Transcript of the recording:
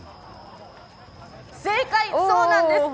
正解、そうなんです